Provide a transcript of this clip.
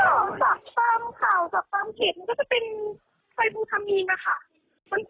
อ๋อจากตามข่าวจากตามเขตมันก็จะเป็นไฟฟูทามีนนะครับ